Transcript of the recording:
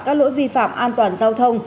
các lỗi vi phạm an toàn giao thông